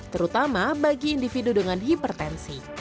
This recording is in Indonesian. terutama bagi individu dengan hipertensi